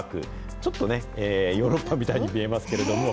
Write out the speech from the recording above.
ちょっとね、ヨーロッパみたいに見えますけれども。